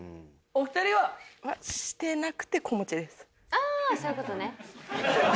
ああそういう事ね。